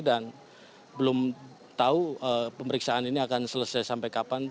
dan belum tahu pemeriksaan ini akan selesai sampai kapan